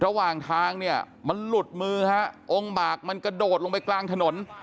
ระหว่างทางเนี่ยมันหลุดมือฮะองค์บากมันกระโดดลงไปกลางถนน